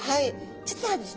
実はですね